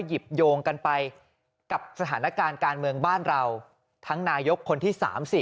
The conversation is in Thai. หยิบโยงกันไปกับสถานการณ์การเมืองบ้านเราทั้งนายกคนที่๓๐